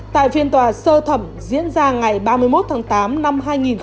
tại phiên tòa sơ thẩm diễn ra ngày ba mươi một tháng tám năm hai nghìn hai mươi